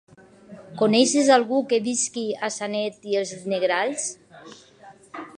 Coneixes algú que visqui a Sanet i els Negrals?